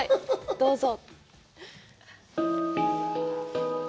どうぞ。